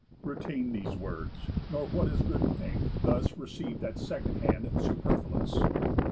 _ Retain these words; nor what is good think, thus Receiv'd at second hand, superfluous."